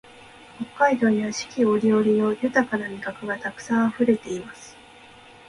北海道には四季折々の豊な味覚がたくさんあふれています